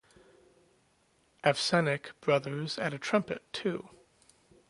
Avsenik brothers add a trumpet, too.